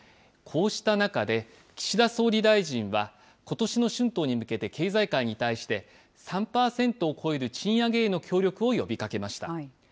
こうした中で、岸田総理大臣はことしの春闘に向けて経済界に対して、３％を超える賃上げへの協力を呼びかけました。